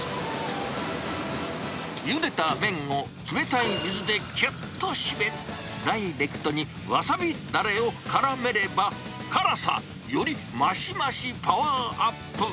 ゆでた麺を冷たい水できゅっと締め、ダイレクトにわさびだれをからめれば、辛さより増し増しパワーアップ。